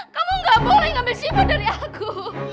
kamu gak boleh ngambil sibuk dari aku